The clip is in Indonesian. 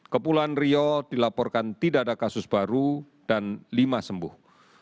kepulauan rio dilaporkan tidak ada kasus baru dan lima sembuh